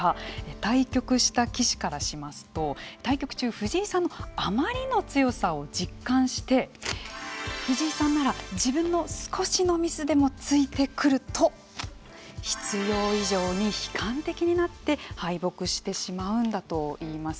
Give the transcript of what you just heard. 対局した棋士からしますと対局中藤井さんのあまりの強さを実感して藤井さんなら自分の少しのミスでもついてくると必要以上に悲観的になって敗北してしまうんだといいます。